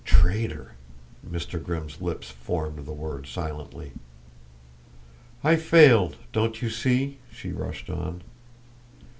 "Traitor!" Mr. Grimm's lips formed the word silently. "I failed, don't you see?" she rushed on.